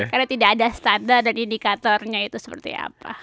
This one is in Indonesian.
karena tidak ada standar dan indikatornya itu seperti apa